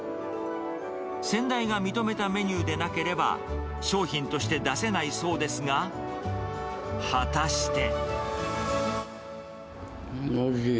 先代が認めたメニューでなければ、商品として出せないそうですが、果たして。